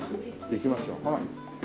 行きましょう。